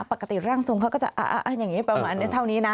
ปกติร่างทรงเขาก็จะอย่างนี้ประมาณนี้เท่านี้นะ